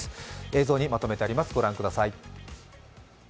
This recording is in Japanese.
映像にまとめてあります、御覧ください。